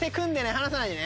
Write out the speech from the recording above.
離さないでね。